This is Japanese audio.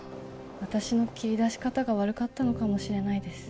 私の切り出し方が悪かったのかもしれないです